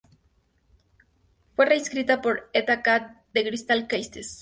Fue reescrita por Ethan Kath de Crystal Castles.